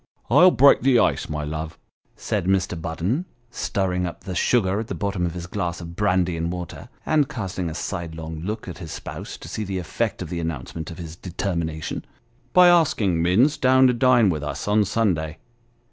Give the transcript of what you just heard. " I'll break the ice, my love," said Mr. Budden, stirring up the sugar at the bottom of his glass of brandy and water, and casting a sidelong look at his spouse to see the effect of the announcement of his deter mination, " by asking Minns down to dine with us, on Sunday."